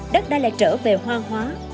đất đã lại trở về hoa hóa